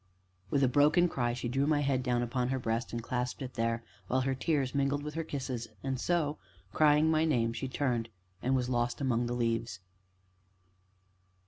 With a broken cry, she drew my head down upon her breast, and clasped it there, while her tears mingled with her kisses, and so crying my name, she turned, and was lost among the leaves.